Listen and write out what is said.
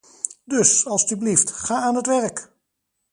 Dus, alstublieft, ga aan het werk!